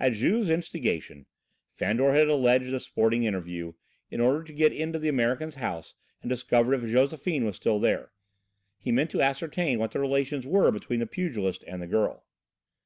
At Juve's instigation Fandor had alleged a sporting interview, in order to get into the American's house and discover if Josephine was still there. He meant to ascertain what the relations were between the pugilist and the girl.